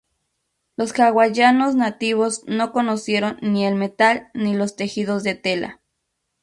Los hawaianos nativos no conocieron ni el metal ni los tejidos de tela.